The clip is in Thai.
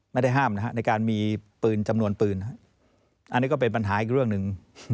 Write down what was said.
ไม่ได้ห้ามนะฮะในการมีปืนจำนวนปืนอันนี้ก็เป็นปัญหาอีกเรื่องหนึ่ง